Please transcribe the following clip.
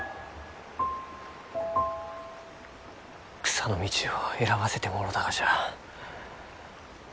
草の道を選ばせてもろうたがじゃ。